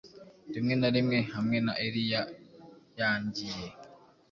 Rimwe na rimwe, hamwe na Eliya yaangiye,